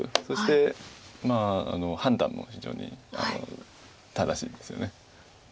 そして判断も非常に正しいんですよね。